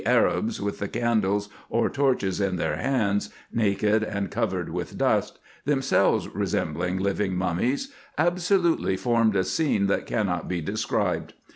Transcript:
157 Arabs with the candles or torches in their hands, naked and co vered with dust, themselves resembling living mummies, absolutely formed a scene that cannot be described.